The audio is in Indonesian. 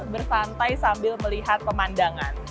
bersantai sambil melihat pemandangan